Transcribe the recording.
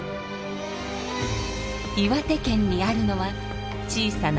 岩手県にあるのは小さな手作りの橋。